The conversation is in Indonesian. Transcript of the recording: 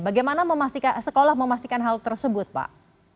bagaimana sekolah memastikan hal tersebut pak